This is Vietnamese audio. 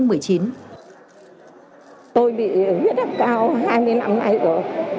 tôi bị huyết áp cao hai mươi năm nay rồi